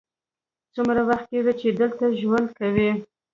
څومره وخت کیږی چې دلته ژوند کوې؟